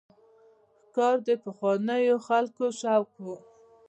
ښکار د پخوانیو خلکو شوق و.